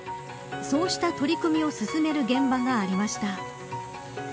そうした取り組みを進める現場がありました。